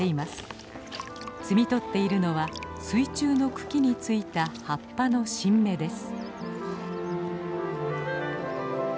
摘み取っているのは水中の茎についた葉っぱの新芽です。